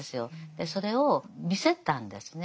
でそれを見せたんですね。